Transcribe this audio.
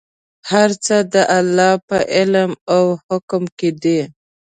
هر څه د الله په علم او حکم کې دي.